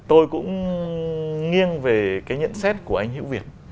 tôi cũng nghiêng về cái nhận xét của anh hữu việt